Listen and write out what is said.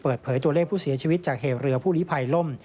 เปิดเผยตัวเลขผู้เสียชีวิตจากเหตุเรือผู้ลิภัยล่ม